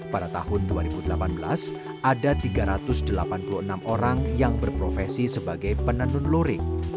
pada tahun dua ribu delapan belas ada tiga ratus delapan puluh enam orang yang berprofesi sebagai penenun lurik